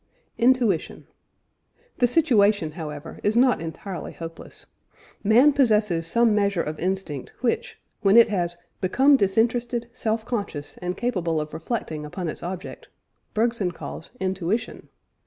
INTUITION. The situation, however, is not entirely hopeless. Man possesses some measure of instinct, which, when it has "become disinterested, self conscious, and capable of reflecting upon its object," Bergson calls intuition.